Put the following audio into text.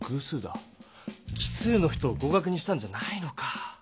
奇数の人を合かくにしたんじゃないのか。